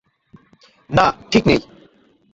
না, ঠিক নেই!